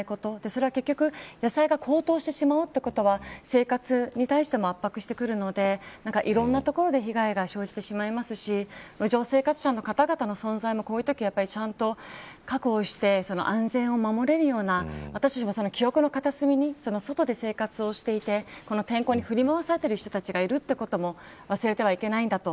それは結局、野菜が高騰してしまうということは生活に対しても圧迫してくるのでいろんなところ被害が生じてしまうし路上生活者の方々の存在もこういうときちゃんと確保をして安全を守れるような私も記憶の片隅に外で生活していて、天候に振り回されている人たちがいることも忘れてはいけないと